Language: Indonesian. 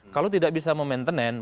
kalau tidak bisa memantenen